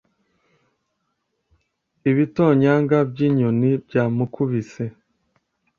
ibitonyanga byinyoni byamukubise